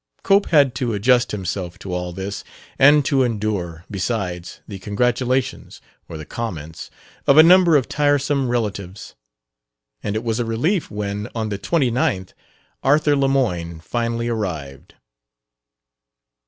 Cope had to adjust himself to all this, and to endure, besides, the congratulations or the comments of a number of tiresome relatives; and it was a relief when, on the twenty ninth, Arthur Lemoyne finally arrived.